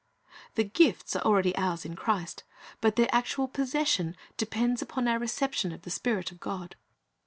"* The gifts are already ours in Christ, but their actual possession depends upon our reception of the Spirit of God.